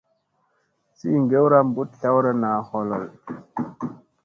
Sii ŋgewra mbuɗ tlawra naa a holhon.